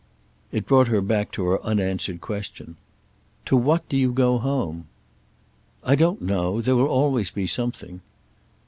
It brought her back to her unanswered question. "To what do you go home?" "I don't know. There will always be something."